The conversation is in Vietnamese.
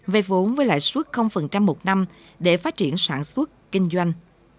về vốn với lại suốt một năm để phát triển sản xuất kinh doanh